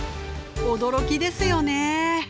驚きですよね。